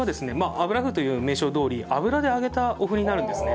油麩という名称どおり油で揚げたお麩になるんですね。